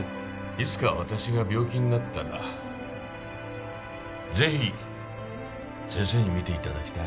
いつか私が病気になったらぜひ先生に診て頂きたい。